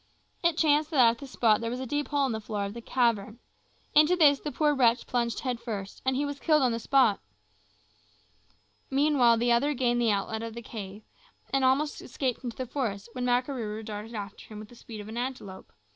It chanced that at that spot there was a deep hole in the floor of the cavern. Into this the poor wretch plunged head first, and he was killed on the spot. Meanwhile, the other gained the outlet of the cave, and had almost escaped into the forest, when Makarooroo darted after him with the speed of an antelope.